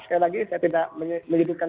sekali lagi saya tidak menyebutkan